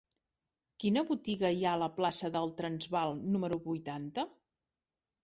Quina botiga hi ha a la plaça del Transvaal número vuitanta?